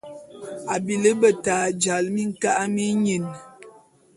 A bili beta jal minka’a minyin.